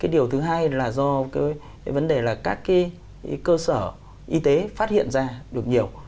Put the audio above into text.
điều thứ hai là do các cơ sở y tế phát hiện ra được nhiều